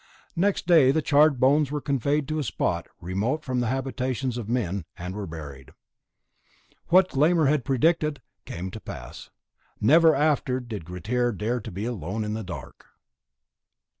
Next day the charred bones were conveyed to a spot remote from the habitations of men, and were there buried. What Glámr had predicted came to pass. Never after did Grettir dare to be alone in the dark.